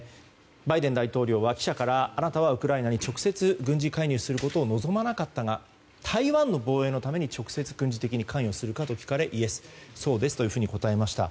バイデン大統領は記者からあなたはウクライナに直接軍事介入することを望まなかったが台湾の防衛のために直接、軍事的に関与するかと聞かれそうですと答えました。